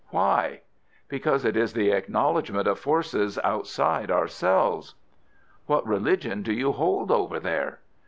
"Why?" "Because it is the acknowledgment of forces outside ourselves." "What religion do you hold over there?"